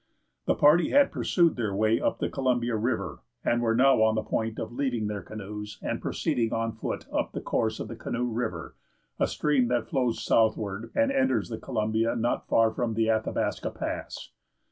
The party had pursued their way up the Columbia River, and were now on the point of leaving their canoes and proceeding on foot up the course of the Canoe River, a stream that flows southward and enters the Columbia not far from the Athabasca Pass.